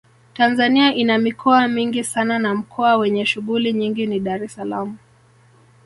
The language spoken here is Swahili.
Tanzania ina mikoa mingi sana na mkoa wenye shughuli nyingi ni Dar es salaam